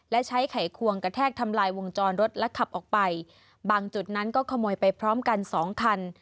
และใช้ไขควงกระแทกทำลายวงจรรถและขับออกไปบางจุดนั้นก็ขโมยไปพร้อมกันสองคัน